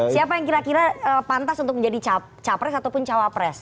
siapa yang kira kira pantas untuk menjadi capres ataupun cawapres